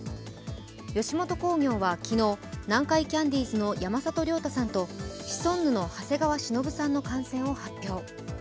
吉本興業は昨日、南海キャンディーズの山里亮太さんと、シソンヌの長谷川忍さんの感染を発表。